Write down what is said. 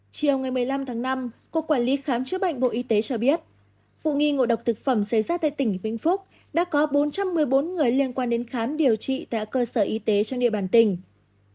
chiều ngày một mươi năm tháng năm cục quản lý khám chữa bệnh bộ y tế cho biết vụ nghi ngộ độc thực phẩm xảy ra tại tỉnh vĩnh phúc đã có bốn trăm một mươi bốn người liên quan đến khám điều trị tại cơ sở y tế trên địa bàn tỉnh